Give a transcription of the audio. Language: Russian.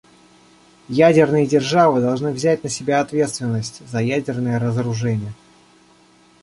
Ядерные державы должны взять на себя ответственность за ядерное разоружение.